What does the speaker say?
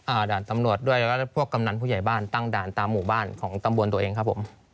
ด่านตำรวจด้วยแล้วก็พวกกำนันผู้ใหญ่บ้านตั้งด่านตามหมู่บ้านของตำบลตัวเองครับผม